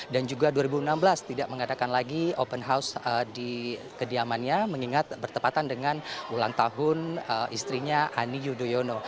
dan juga dua ribu enam belas tidak mengadakan lagi open house di kediamannya mengingat bertepatan dengan ulang tahun istrinya ani yudhoyono